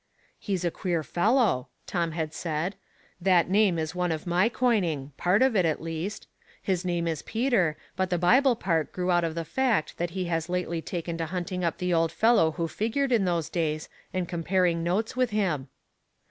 " He's a queer fellow," Tom had said ;" that name iti one of my coining; part of it at least ; his name is Peter, but the Bible part grew out of the fact that he has lately taken to hunting up the old fellow who figured in those days, and comparing notes with him."